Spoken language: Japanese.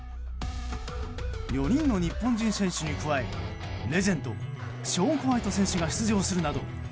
４人の日本人選手に加えレジェンドショーン・ホワイト選手が出場するなど